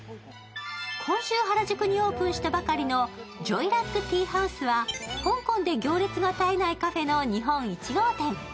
今週原宿にオープンしたばかりのＪＯＹＬＵＣＫＴＥＡＨＯＵＳＥは香港で行列が絶えないカフェの日本１号店。